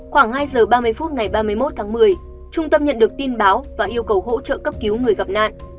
khoảng hai giờ ba mươi phút ngày ba mươi một tháng một mươi trung tâm nhận được tin báo và yêu cầu hỗ trợ cấp cứu người gặp nạn